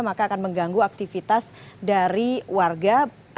maka akan mengganggu aktivitas dari warga